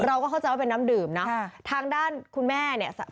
เราก็เข้าใจว่าเป็นน้ำดื่มเนอะทางด้านคุณแม่เนี่ย